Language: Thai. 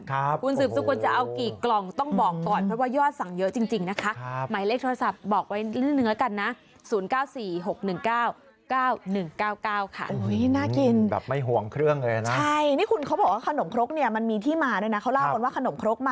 คุณสืบสกุลจะเอากี่กล่องต้องบอกก่อนเพราะว่ายอดสั่งเยอะจริงนะคะ